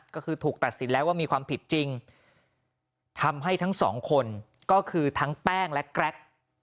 ก็คือถูกตัดสินแล้วว่ามีความผิดจริงทำให้ทั้งสองคนก็คือทั้งแป้งและแกรก